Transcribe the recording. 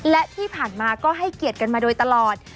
และที่ผ่านมาก็ให้เกียรติกันมาโดยตลอด